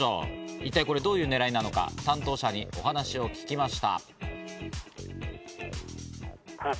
一体どういうねらいなのか担当者にお話を聞きました。